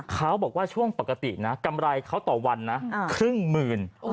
เขาบอกว่าช่วงปกตินะกำไรเขาต่อวันนะครึ่งหมื่น